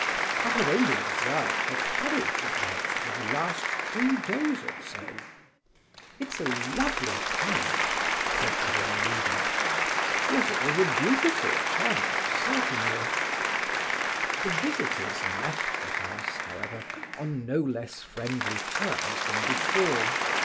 I have only observed her carriage about for the last three days or so." "It's a lovely carriage," said Adelaida. "Yes, it was a beautiful turn out, certainly!" The visitors left the house, however, on no less friendly terms than before.